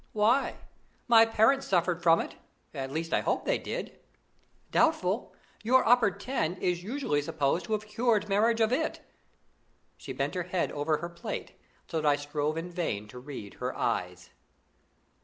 "Why? My parents suffered from it: at least, I hope they did." "Doubtful! Your Upper Ten is usually supposed to have cured marriage of it." She bent her head over her plate, so that I strove in vain to read her eyes.